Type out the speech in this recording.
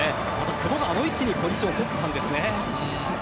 久保があの位置にポジションを取っていたんですね。